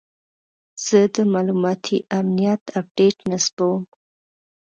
زه د معلوماتي امنیت اپډیټ نصبوم.